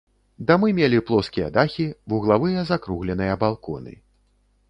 Дамы мелі плоскія дахі, вуглавыя закругленыя балконы.